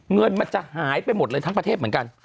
เงินมันจะหายไปหมดเลยทั้งประเทศเหมือนกัน